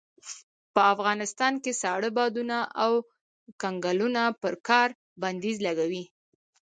په افغانستان کې ساړه بادونه او کنګلونه پر کار بنديز لګوي.